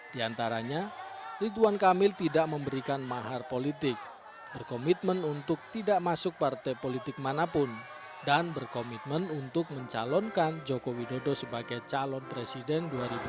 di antaranya ridwan kamil tidak memberikan mahar politik berkomitmen untuk tidak masuk partai politik manapun dan berkomitmen untuk mencalonkan joko widodo sebagai calon presiden dua ribu dua puluh